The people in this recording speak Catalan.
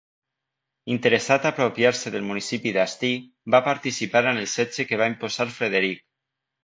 Interessat a apropiar-se del municipi d'Asti, va participar en el setge que va imposar Frederic.